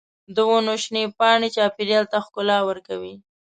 د ونو شنې پاڼې چاپېریال ته ښکلا ورکوي.